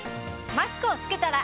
マスクを着けたら。